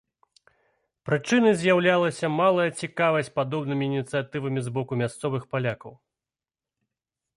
Прычынай з'яўлялася малая цікавасць падобнымі ініцыятывамі з боку мясцовых палякаў.